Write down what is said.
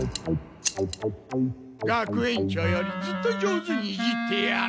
学園長よりずっと上手にいじってやる。